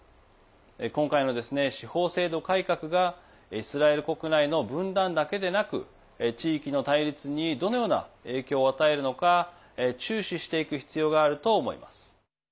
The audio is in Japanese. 今回の司法制度改革がイスラエル国内の分断だけでなく地域の対立にどのような影響を与えるのか注視していく必要があると思います。